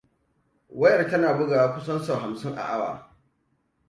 Wayar tana bugawa kusan sau hamsin a awa.